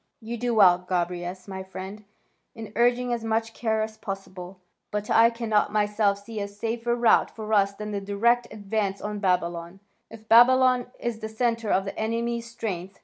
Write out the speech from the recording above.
"You do well, Gobryas, my friend, in urging as much care as possible. But I cannot myself see a safer route for us than the direct advance on Babylon, if Babylon is the centre of the enemy's strength.